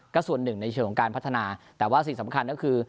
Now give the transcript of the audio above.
ก็ส่วนหนึ่งในเชิงของการพัฒนาแต่ว่าสิ่งสำคัญก็คือ